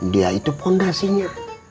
dia itu fondasinya